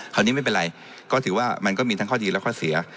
ไม่เป็นไรก็ถือว่ามันก็มีทั้งข้อดีและข้อเสีย